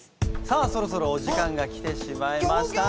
さあそろそろお時間が来てしまいました。